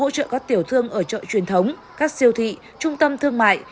sở có tiểu thương ở chợ truyền thống các siêu thị trung tâm thương mại